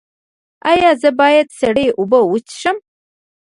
ایا زه باید سړې اوبه وڅښم؟